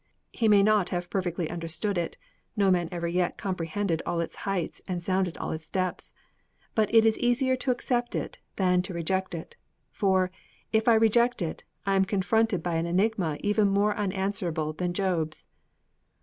He may not have perfectly understood it no man ever yet comprehended all its heights and sounded all its depths! But it is easier to accept it than to reject it. For, if I reject it, I am confronted by an enigma even more unanswerable than Job's.